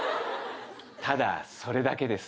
ただそれだけです。